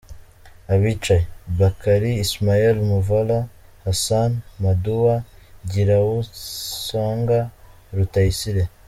Abicaye : Bakari, Ismael, Muvala, Hassan, Maduwa, Ngiruwonsanga, Rutayisire